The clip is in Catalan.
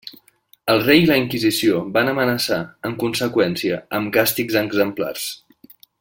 El rei i la Inquisició van amenaçar, en conseqüència, amb càstigs exemplars.